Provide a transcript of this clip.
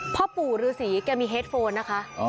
พ่อปู่ฤาษีเทพนรสิงค่ะมีเฮ็ดโฟนนะคะ